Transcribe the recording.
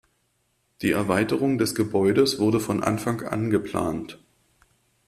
Die Erweiterung des Gebäudes wurde von Anfang an geplant.